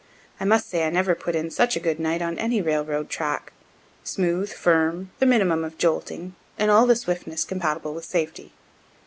I must say I never put in such a good night on any railroad track smooth, firm, the minimum of jolting, and all the swiftness compatible with safety.